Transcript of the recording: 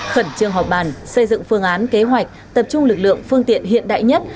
khẩn trương họp bàn xây dựng phương án kế hoạch tập trung lực lượng phương tiện hiện đại nhất